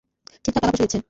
ঠিকঠাক টাকা পয়সা দিচ্ছে?